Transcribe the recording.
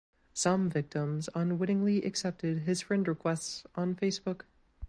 Some victims unwittingly accepted his friend requests on Facebook.